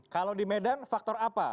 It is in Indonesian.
kalau di medan faktor apa